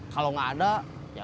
kalau gak ada yaudah